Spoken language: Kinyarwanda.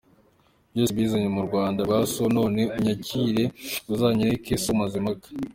Byose mbizanye mu Rwanda rwa so, none unyakire uzanyereke so Mazimpaka” .